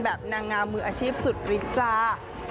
แบบนางงามืออาชีพสุดวิจารณ์